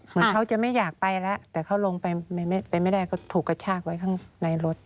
เหมือนเขาจะไม่อยากไปแล้วแต่เขาลงไปไม่ได้ก็ถูกกระชากไว้ข้างในรถ